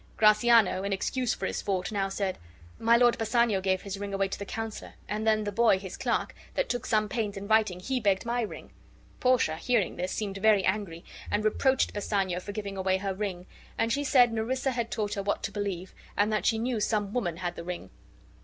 Gratiano, in excuse for his fault, now said, "My Lord Bassanio gave his ring away to the counselor, and then the boy, his clerk, that took some pains in writing, he begged my ring." Portia, hearing this, seemed very angry and reproached Bassanio for giving away her ring; and she said Nerissa had taught her what to believe, and that she knew some woman had the ring.